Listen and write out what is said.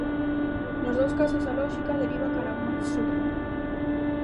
_Nos dous casos a lóxica deriva cara a un absurdo.